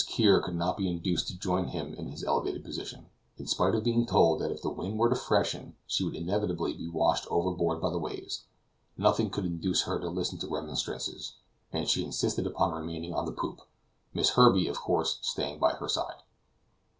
Kear could not be induced to join him in his elevated position, in spite of being told that if the wind were to freshen she would inevitably be washed overboard by the waves; nothing could induce her to listen to remonstrances, and she insisted upon remaining on the poop Miss Herbey, of course, staying by her side.